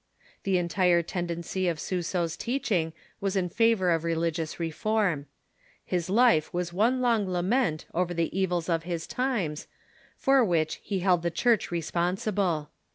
The entire tendency of Suso's teaching was in favor of religions reform. His life was one long lament over the evils of his times, for 202 THE KEFORMATION which he held the Church responsible.